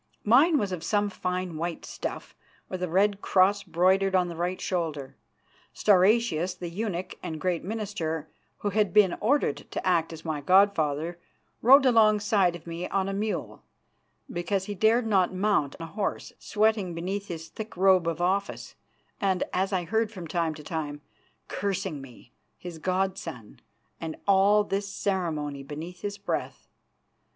Mine was of some fine white stuff, with a red cross broidered on the right shoulder. Stauracius, the eunuch and great minister, who had been ordered to act as my god father, rode alongside of me on a mule, because he dared not mount a horse, sweating beneath his thick robe of office, and, as I heard from time to time, cursing me, his god son, and all this ceremony beneath his breath.